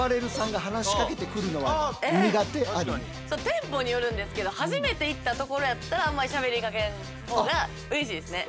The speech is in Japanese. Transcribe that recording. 店舗によるんですけど初めて行ったところやったらあんまりしゃべりかけんほうがうれしいですね。